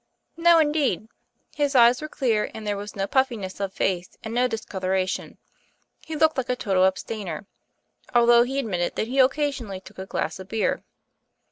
"No, indeed. His eyes were clear and there was no puffiness of face and no discoloration. He looked like a total abstainer; although, he admitted that he occasionally took a glass of beer.